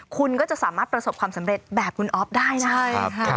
คุณก็จะสามารถประสบความสำเร็จแบบคุณอ๊อฟได้นะใช่ค่ะ